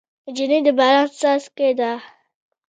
نجلۍ د باران څاڅکی ده.